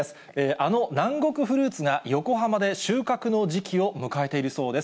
あの南国フルーツが横浜で収穫の時期を迎えているそうです。